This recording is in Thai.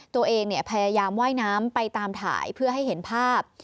ตัวเองพยายามว่ายน้ำไปตามถ่ายเพื่อให้เห็นภาพ